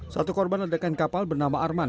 satu korban ledakan kapal bernama arman